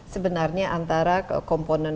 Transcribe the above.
sebenarnya antara komponen